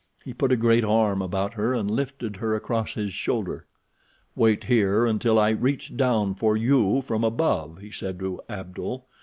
He put a great arm about her and lifted her across his shoulder. "Wait here until I reach down for you from above," he said to Abdul.